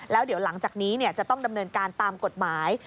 แล้วเดี๋ยวหลังจากนี้จะต้องดำเนินการตามกฎหมาย